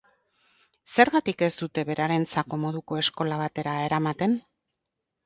Zergatik ez dute berarentzako moduko eskola batera eramaten?